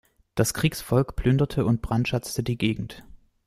Das Kriegsvolk plünderte und brandschatzte die Gegend.